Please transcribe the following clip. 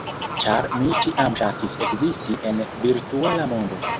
ĉar mi ĉiam ŝatis ekzisti en virtuala mondo.